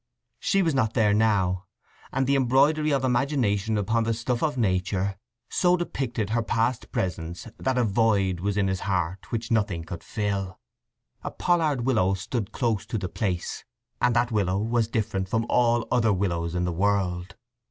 She was not there now, and "the embroidery of imagination upon the stuff of nature" so depicted her past presence that a void was in his heart which nothing could fill. A pollard willow stood close to the place, and that willow was different from all other willows in the world.